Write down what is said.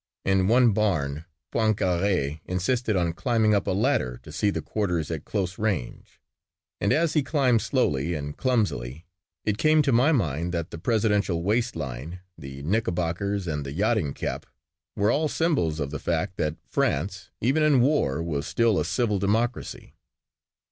In one barn Poincaré insisted on climbing up a ladder to see the quarters at close range and as he climbed slowly and clumsily it came to my mind that the presidential waist line, the knickerbockers and the yachting cap were all symbols of the fact that France even in war was still a civil democracy.